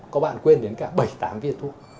có bạn quên đến cả bảy tám viên thuốc